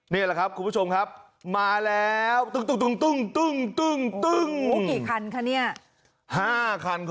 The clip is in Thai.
นี่แหละครับคุณผู้ชมครับมาแล้วตึง